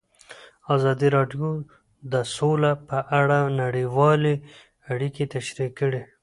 ازادي راډیو د سوله په اړه نړیوالې اړیکې تشریح کړي.